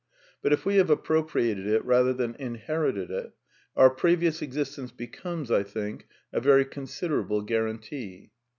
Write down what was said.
But if we have appropriated it rather than inherited it, our previous existence becomes, I think, a very considerable guarantee.